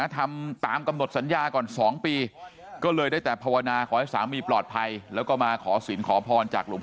ทำตามกำหนดสัญญาก่อน๒ปีก็เลยได้แต่ภาวนาขอให้สามีปลอดภัยแล้วก็มาขอสินขอพรจากหลวงพ่อ